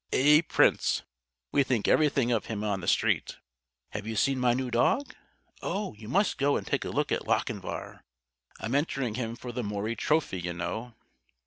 A prince! We think everything of him on the Street. Have you seen my new dog? Oh, you must go and take a look at Lochinvar! I'm entering him for the Maury Trophy, you know."